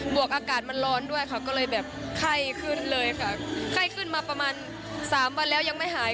วกอากาศมันร้อนด้วยค่ะก็เลยแบบไข้ขึ้นเลยค่ะไข้ขึ้นมาประมาณสามวันแล้วยังไม่หาย